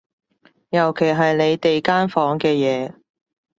尤其係你哋間房嘅嘢